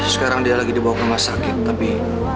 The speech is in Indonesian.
sekarang dia lagi dibawa ke rumah sakit tapi